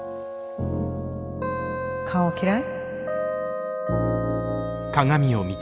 顔嫌い？